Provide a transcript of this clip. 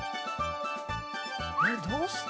えっどうして？